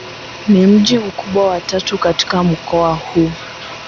Ni mji mkubwa wa tatu katika mkoa huu.